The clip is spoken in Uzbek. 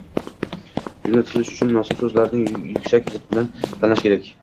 Jumla tuzish uchun munosib so‘zlarni yuksak did bilan tanlash kerak.